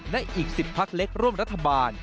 และอีก๑๐พักเล็กร่วมรัฐบาล